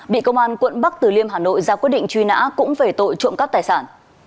bị công an quận bắc từ liêm hà nội ra quyết định truy nã cũng về tội trộm cắp tài sản